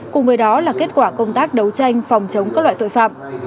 cùng với đó là kết quả công tác đấu tranh phòng chống các loại tội phạm